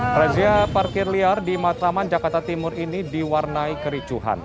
razia parkir liar di matraman jakarta timur ini diwarnai kericuhan